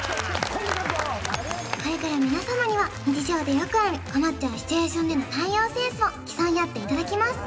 これから皆様には日常でよくある困っちゃうシチュエーションでの対応センスを競い合っていただきます